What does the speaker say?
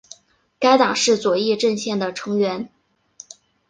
该党是左翼阵线的成员。